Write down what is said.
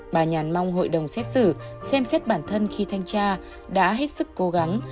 bà nhàn mong hội đồng xét xử xem xét bản thân khi thanh tra đã hết sức cố gắng